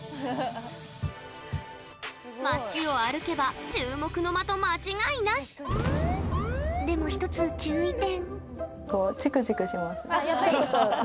街を歩けば注目の的間違いなし！でも１つ注意点。